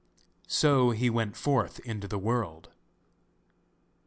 So he went forth into the world.